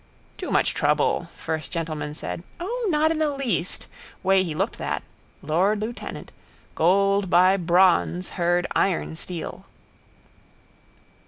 Too much trouble, first gentleman said. O, not in the least. Way he looked that. Lord lieutenant. Gold by bronze heard iron steel.